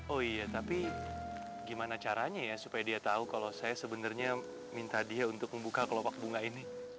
oh iya tapi gimana caranya ya supaya dia tahu kalau saya sebenarnya minta dia untuk membuka kelopak bunga ini